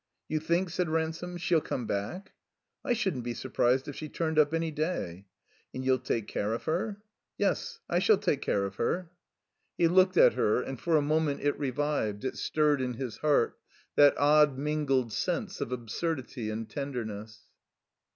"You think," said Ransome, ''she'll come back?'* "I shouldn't be surprised if she turned up any day." "And you'll take care of her?" "Yes, I shall take care of her." 92 THE COMBINED MAZE He looked at her, and for a moment it revived, it stirred in his heart, that odd mingled sense of ab surdity and tenderness.